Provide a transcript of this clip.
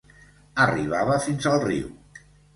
Arribava fins al riu.